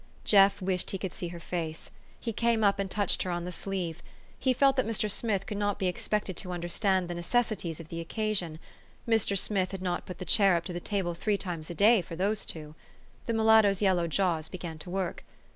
Jeff wished he could see her face. He came up, and touched her on the sleeve. He felt that Mr. Smith could not be expected to understand the necessities of the occasion. Mr. Smith had not put the chair up to the table three times a day for those two. The mulatto's yellow jaws began to work.